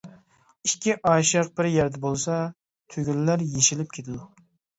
ئىككى ئاشىق بىر يەردە بولسا تۈگۈنلەر يېشىلىپ كېتىدۇ.